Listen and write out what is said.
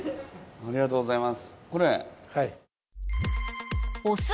ありがとうございます。